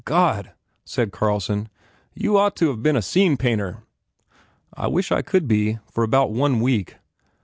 God," said Carlson, "you d ought to ve been a scene painter!" "I wish I could be, for about one week!"